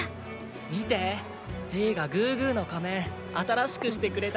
見てじいがグーグーの仮面新しくしてくれたんだよ。